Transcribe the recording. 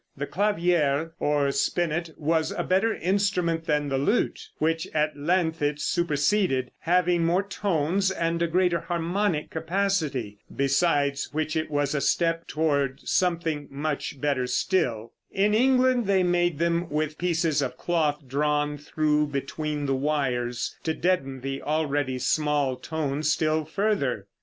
The clavier, or spinet, was a better instrument than the lute, which at length it superseded, having more tones and a greater harmonic capacity. Besides which it was a step toward something much better still. In England they made them with pieces of cloth drawn through between the wires, to deaden the already small tone still further.